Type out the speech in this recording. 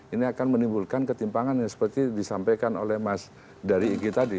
ini akan menimbulkan ketimpangan yang seperti disampaikan oleh mas dari igi tadi